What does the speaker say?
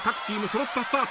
揃ったスタート。